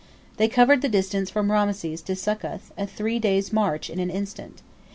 They covered the distance from Raamses to Succoth, a three days' march, in an instant.